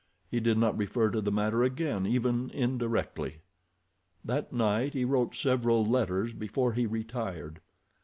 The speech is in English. He did not refer to the matter again even indirectly. That night he wrote several letters before he retired.